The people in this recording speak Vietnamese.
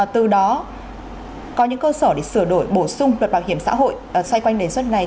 từ đó có những cơ sở để sửa đổi bổ sung luật bảo hiểm xã hội xoay quanh đến suốt ngày